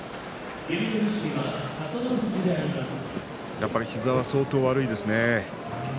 やっぱり膝は相当悪いですね。